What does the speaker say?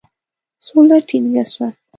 سوله ټینګه سوه.